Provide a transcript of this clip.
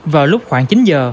vào lúc khoảng chín giờ